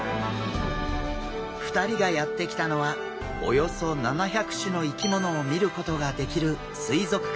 ２人がやって来たのはおよそ７００種の生き物を見ることができる水族館。